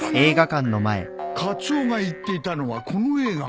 カツオが言っていたのはこの映画か。